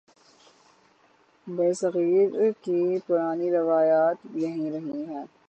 برصغیر کی پرانی روایت یہی رہی ہے۔